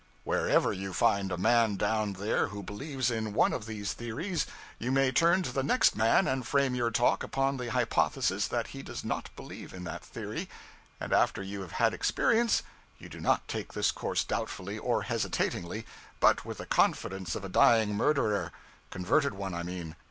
Wherever you find a man down there who believes in one of these theories you may turn to the next man and frame your talk upon the hypothesis that he does not believe in that theory; and after you have had experience, you do not take this course doubtfully, or hesitatingly, but with the confidence of a dying murderer converted one, I mean.